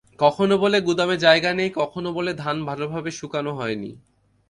কখনো বলে গুদামে জায়গা নেই, কখনো বলে ধান ভালোভাবে শুকানো হয়নি।